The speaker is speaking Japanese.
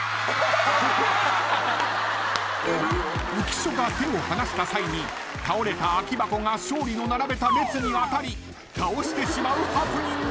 ［浮所が手を離した際に倒れた空き箱が勝利の並べた列に当たり倒してしまうハプニングが］